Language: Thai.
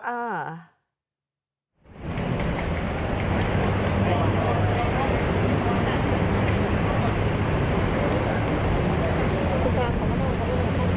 คุณการขอบคุณครับ